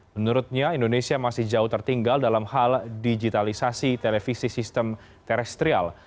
menurutnya indonesia masih jauh tertinggal dalam hal digitalisasi televisi sistem terestrial